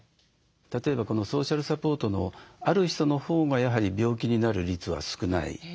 例えばこのソーシャルサポートのある人のほうがやはり病気になる率は少ない。